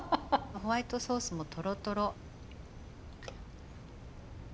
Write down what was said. ホワイトソースもトロトロ。